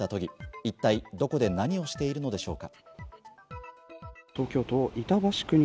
一体どこで何をしているのでしょうか。